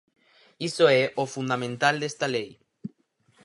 Iso é o fundamental desta lei.